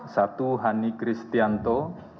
satu hani kristianto